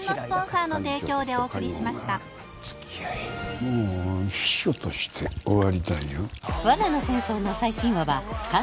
もう秘書として終わりだよ。